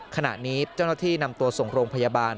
ขณะนี้เจ้าหน้าที่นำตัวส่งโรงพยาบาล